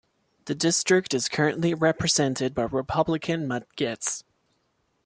The district is currently represented by Republican Matt Gaetz.